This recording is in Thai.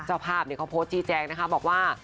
เจ้าภาพเขาโพสต์ชี้แจงนะคะบอกว่า